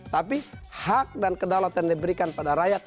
tapi hak dan kedaulatan diberikan pada rakyat